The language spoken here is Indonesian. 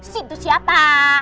si itu siapa